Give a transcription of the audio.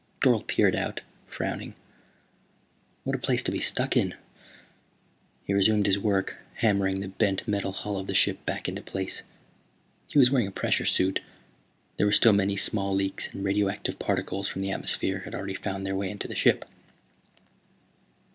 Dorle peered out, frowning. "What a place to be stuck in." He resumed his work, hammering the bent metal hull of the ship back into place. He was wearing a pressure suit; there were still many small leaks, and radioactive particles from the atmosphere had already found their way into the ship.